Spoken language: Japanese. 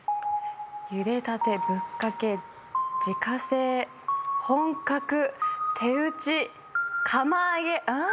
茹でたてぶっかけ自家製本格手打ち釜揚げうん？